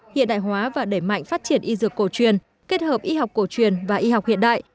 hiện đại hóa và đẩy mạnh phát triển y dược cổ truyền kết hợp y học cổ truyền và y học hiện đại